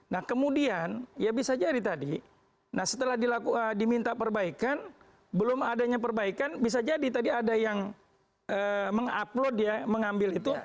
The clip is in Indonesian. nah kemudian ya bisa jadi tadi nah setelah diminta perbaikan belum adanya perbaikan bisa jadi tadi ada yang mengupload ya mengambil itu